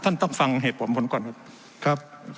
ต้องฟังเหตุผลผมก่อนครับ